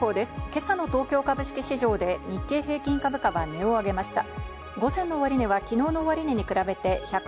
今朝の東京株式市場で日経平均株価は値を上げました。